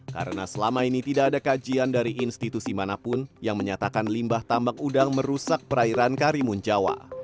karena selama ini tidak ada kajian dari institusi manapun yang menyatakan limbah tambak udang merusak perairan karimun jawa